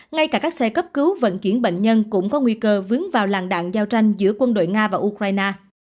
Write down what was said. ngay cả các xe cấp cứu vận chuyển bệnh nhân cũng có nguy cơ vướng vào làng đạn giao tranh giữa quân đội nga và ukraine